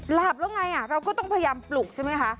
หลับแล้วไงเราก็ต้องพยายามปลุกใช่ไหมคะ